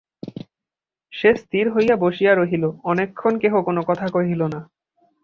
সে স্থির হইয়া বসিয়া রহিল, অনেকক্ষণ কেহ কোনো কথা কহিল না।